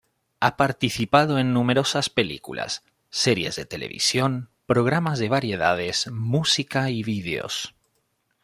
Ha participado en numerosas películas, series de televisión, programas de variedades, música y vídeos.